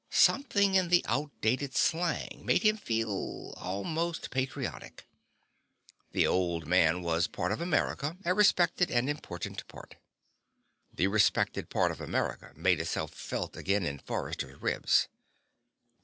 Something in the outdated slang made him feel almost patriotic. The old man was a part of America, a respected and important part. The respected part of America made itself felt again in Forrester's ribs.